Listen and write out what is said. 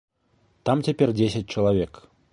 Там цяпер дзесяць чалавек.